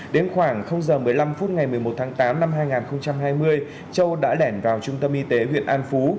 đến khoảng giờ một mươi năm phút ngày một mươi một tháng tám năm hai nghìn hai mươi châu đã lẻn vào trung tâm y tế huyện an phú